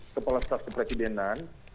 kepala staf kepresidenan